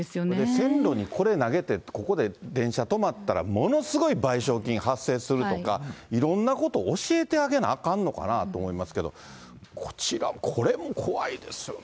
線路にこれ、投げてここで電車止まったらものすごい賠償金発生するとか、いろんなこと教えてあげなあかんのかなと思いますけど、こちら、これも怖いですよね。